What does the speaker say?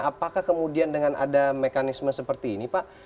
apakah kemudian dengan ada mekanisme seperti ini pak